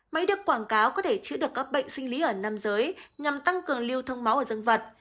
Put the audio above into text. máy được quảng cáo có thể chữa được các bệnh sinh lý ở nam giới nhằm tăng cường lưu thông máu ở dân vật